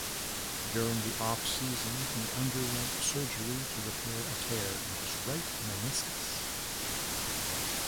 During the offseason, he underwent surgery to repair a tear in his right meniscus.